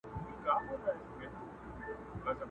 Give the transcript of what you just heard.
o يو وار ئې زده که بيا ئې در کوزده که!